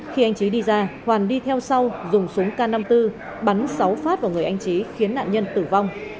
khi anh trí đi ra hoàn đi theo sau dùng súng k năm mươi bốn bắn sáu phát vào người anh trí khiến nạn nhân tử vong